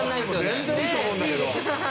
全然いいと思うんだけど。